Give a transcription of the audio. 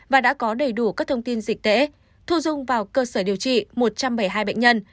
và đã có đầy đủ các thông tin dịch tễ thu dung vào cơ sở điều trị một trăm bảy mươi hai bệnh nhân